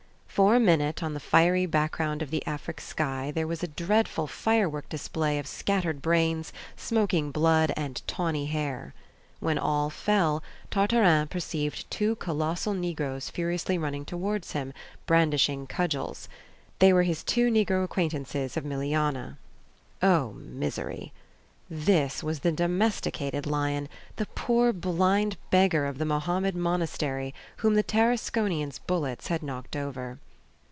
For a minute, on the fiery background of the African sky, there was a dreadful firework display of scattered brains, smoking blood, and tawny hair. When all fell, Tartarin perceived two colossal Negroes furiously running towards him, brandishing cudgels. They were his two Negro acquaintances of Milianah! Oh, misery! This was the domesticated lion, the poor blind beggar of the Mohammed Monastery, whom the Tarasconian's bullets had knocked over.